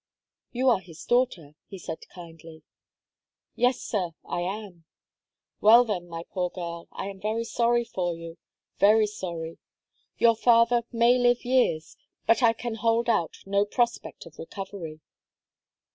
"You are his daughter," he said, kindly. "Yes, sir, I am." "Well, then, my poor girl, I am very sorry for you very sorry. Your father may live years but I can hold out no prospect of recovery."